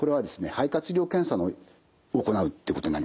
肺活量検査を行うっていうことになります。